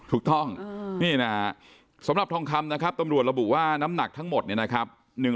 ถูกต้องนี่นะสำหรับทองคำนะครับตำรวจระบุว่าน้ำหนักทั้งหมดเนี่ยนะครับ